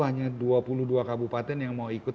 hanya dua puluh dua kabupaten yang mau ikut